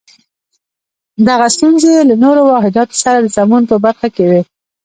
دغه ستونزې یې له نورو واحداتو سره د سمون په برخه کې وې.